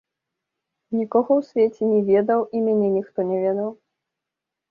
Нікога ў свеце не ведаў і мяне ніхто не ведаў.